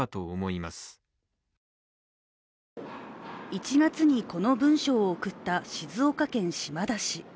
１月にこの文書を送った静岡県島田市。